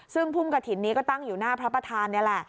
ซึ่งพุ่มกระถิ่นนี้ก็ตั้งอยู่หน้าพระประธานนี่แหละ